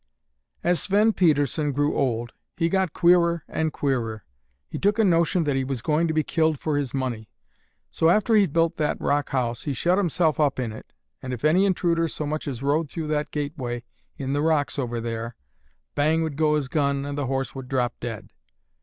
"As Sven Pedersen grew old, he got queerer and queerer. He took a notion that he was going to be killed for his money, so after he'd built that rock house, he shut himself up in it, and if any intruder so much as rode through that gateway in the rocks over there, bang would go his gun and the horse would drop dead.